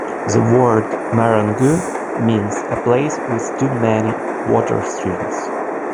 The word "Marangu" means a place with too many water streams.